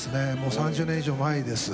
３０年以上も前です。